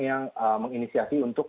yang menginisiasi untuk